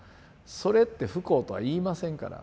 それって不幸とは言いませんから。